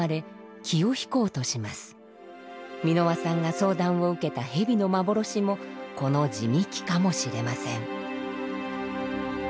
蓑輪さんが相談を受けた蛇の幻もこの時媚鬼かもしれません。